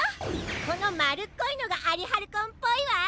このまるっこいのがアリハルコンっぽいわ！